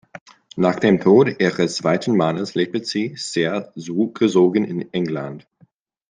Nach dem Tod ihres zweiten Mannes lebte sie sehr zurückgezogen in England.